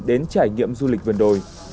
đến trải nghiệm du lịch vườn đồi